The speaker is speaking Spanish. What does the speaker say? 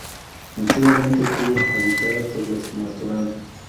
Antiguamente, estuvo habitada por los "Matoran".